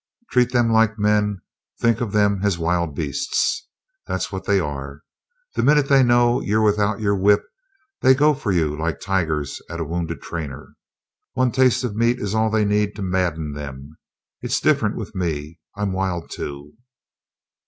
Treat them like men; think of them as wild beasts. That's what they are. The minute they know you're without your whip they go for you like tigers at a wounded trainer. One taste of meat is all they need to madden them. It's different with me. I'm wild, too."